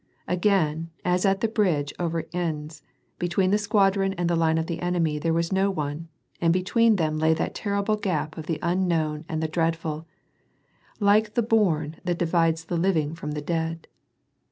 Again, as at the bridge over the Enns, between the squadron and the line of the enemy there was no one, and between them lay that terrible gap of the unknown and the dreadful, like the l)ourne that divides the living from the dead.